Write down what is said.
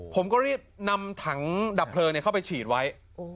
ผมก็รีบนำถังดับเพลิงเข้าไปฉีดไว้